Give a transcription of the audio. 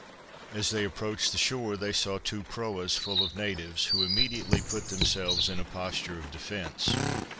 As they approached the shore they saw two proas full of natives, who immediately put themselves in a posture of defence.